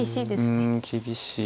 うん厳しい。